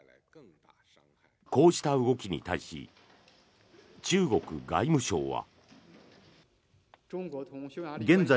こうした動きに対し中国外務省は。